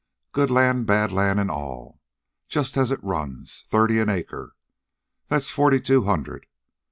"Good land, bad land, an' all, just as it runs, thirty an acre. That's forty two hundred.